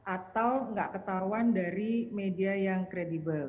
atau nggak ketahuan dari media yang kredibel